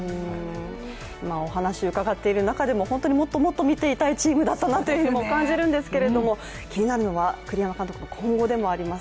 今、お話をうかがっている中でも、本当にもっともっと見ていたいチームだったなと感じるんですけど気になるのは栗山監督の今後でもあります。